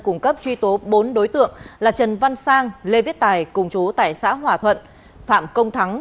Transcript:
cung cấp truy tố bốn đối tượng là trần văn sang lê viết tài cùng chú tại xã hòa thuận phạm công thắng